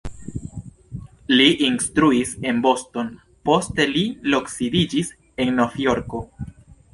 Li instruis en Boston, poste li loksidiĝis en Novjorko.